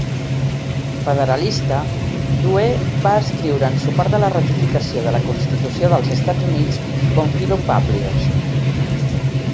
Federalista, Duer va escriure en suport de la ratificació de la Constitució dels Estats Units com Philo-Publius.